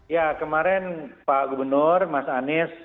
ya kemarin pak gubernur mas anies